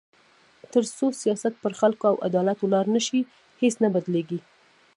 تر څو سیاست پر خلکو او عدالت ولاړ نه شي، هیڅ نه بدلېږي.